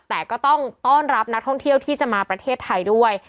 แต่ก็ต้องต้อนรับนักท่องเที่ยวที่จะมาประเทศไทยด้วย